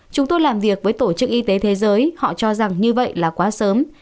chúng tôi làm việc với tổ chức y tế thế giới họ cho rằng như vậy là quá sớm